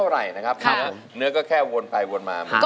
ร้อยนวล